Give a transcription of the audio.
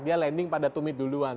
dia landing pada tumit duluan